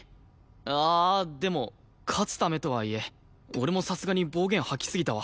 ああでも勝つためとはいえ俺もさすがに暴言吐きすぎたわ。